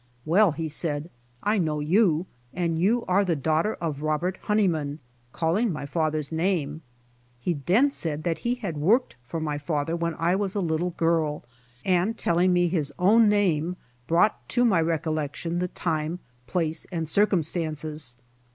"Well," he said, "I know you and you are the daughter of Robert Honeyman," calling m^^ father's name. He then said that he had worked for my father when I was a little girl, and telling me his own name brought to my recollection the time, place and circum stances.